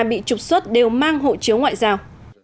bị trục xuất đều mang hộ chiếu ngoại giao